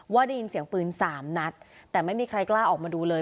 ได้ยินเสียงปืนสามนัดแต่ไม่มีใครกล้าออกมาดูเลย